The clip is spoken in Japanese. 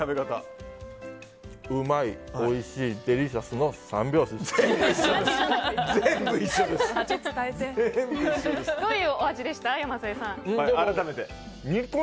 うまい、おいしいデリシャスの３拍子。